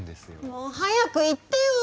もう早く言ってよ！